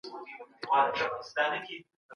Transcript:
ولي کندهار کي د صنعت لپاره زیربناوې مهمې دي؟